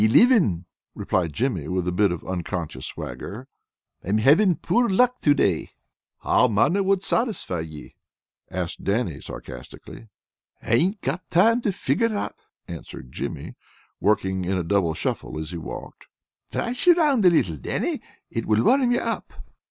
"Elivin," replied Jimmy, with a bit of unconscious swagger. "I am havin' poor luck to day." "How mony wad satisfy ye?" asked Dannie sarcastically. "Ain't got time to figure that," answered Jimmy, working in a double shuffle as he walked. "Thrash around a little, Dannie. It will warm you up."